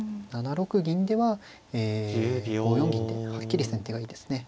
７六銀ではえ５四銀ではっきり先手がいいですね。